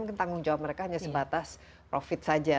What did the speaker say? mungkin tanggung jawab mereka hanya sebatas profit saja